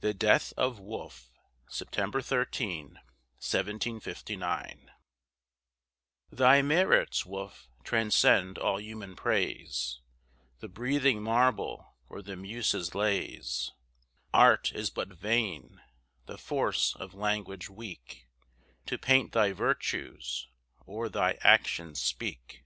THE DEATH OF WOLFE [September 13, 1759] Thy merits, Wolfe, transcend all human praise, The breathing marble or the muses' lays. Art is but vain the force of language weak, To paint thy virtues, or thy actions speak.